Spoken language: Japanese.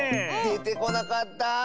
でてこなかった。